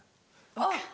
あっ！